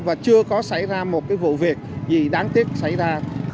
và chưa có xảy ra một cái vụ việc gì đáng tiếc xảy ra